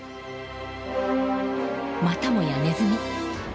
またもやネズミ！